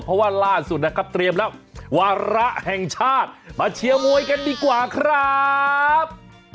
เพราะว่าล่าสุดนะครับเตรียมแล้ววาระแห่งชาติมาเชียร์มวยกันดีกว่าครับ